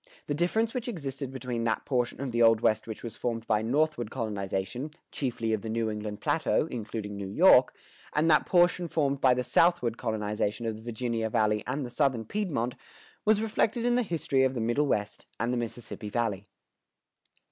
The difference which existed between that portion of the Old West which was formed by the northward colonization, chiefly of the New England Plateau (including New York), and that portion formed by the southward colonization of the Virginia Valley and the Southern Piedmont was reflected in the history of the Middle West and the Mississippi Valley.